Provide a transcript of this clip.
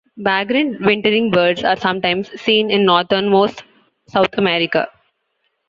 Vagrant wintering birds are sometimes seen in northernmost South America.